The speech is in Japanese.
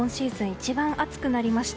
一番暑くなりました。